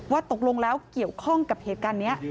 ตกลงแล้วเกี่ยวข้องกับเหตุการณ์นี้